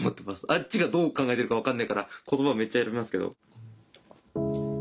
あっちがどう考えてるか分かんないから言葉めっちゃ選びますけど。